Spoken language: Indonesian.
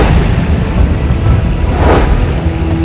tak ada cuman